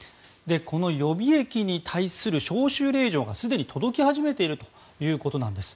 この予備役に対する招集令状がすでに届き始めているということなんです。